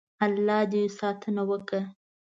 الله دې ساتنه وکړي.